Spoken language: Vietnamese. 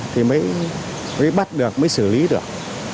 thì mới bắt được mới xử lý được